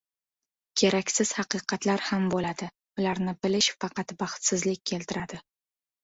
• Keraksiz haqiqatlar ham bo‘ladi. Ularni bilish faqat baxtsizlik keltiradi.